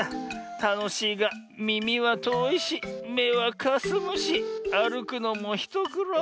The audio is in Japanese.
たのしいがみみはとおいしめはかすむしあるくのもひとくろう。